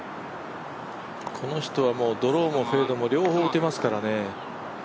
この人はドローもフェードも両方打てますからね。